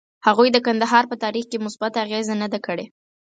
هغوی د کندهار په تاریخ کې مثبته اغیزه نه ده کړې.